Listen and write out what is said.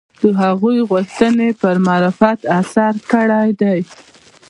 د هغوی غوښتنې پر معرفت اثر کړی دی